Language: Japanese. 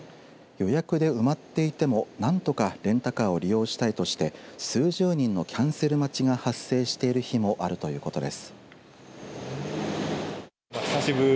予約で埋まっていても何とかレンタカーを利用したいとして数十人のキャンセル待ちが発生している日もあるということです。